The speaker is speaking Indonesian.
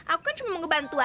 aku kan cuma mau ngebantu aja